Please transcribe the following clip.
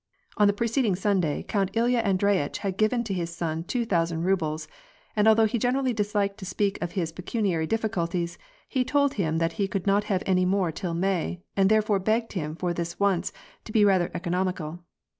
On the preceding Sunday, Count Ilya Audrey itch had given his son two thousand rubles, and although he generally disliked to speak of his pecuniary diiiiculties, had told him that he could not have any more till May, and therefore begged him for this once, to be rather economical.